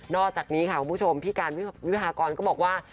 นอกจากนี้ค่ะคุณผู้ชมพี่การณ์วิทยาลัยกรณ์ก็บอกว่า